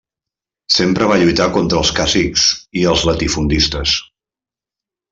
Sempre va lluitar contra els cacics i els latifundistes.